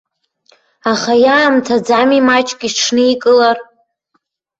Аха иаамҭаӡами маҷк иҽникылар?